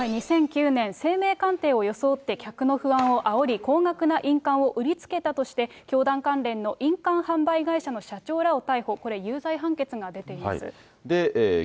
２００９年、姓名鑑定を装って客の不安をあおり、高額な印鑑を売りつけたとして、教団関連の印鑑販売会社の社長らを逮捕、これ、有罪判決が出ています。